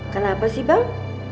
kenapa sih bang